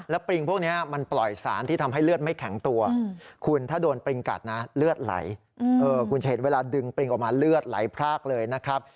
แล้วปริงพวกนี้มันปล่อยสารที่ทำให้เลือดไม่แข็งตัวคุณถ้าโดนปริงกัดนะเลือดไหลคุณจะเห็นเวลาดึงปริงออกมาเลือดไหลพรากเลยนะครับ